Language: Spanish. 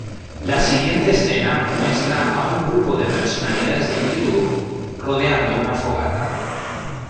La siguiente escena muestra a un grupo de personalidades de YouTube rodeando una fogata.